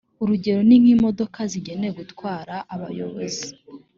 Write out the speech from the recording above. urugero ni nk imodoka zigenewe gutwara abayobozi